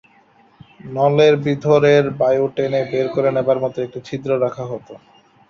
নলের ভিতরের বায়ু টেনে বের করে নেবার মত একটি ছিদ্র রাখা হত।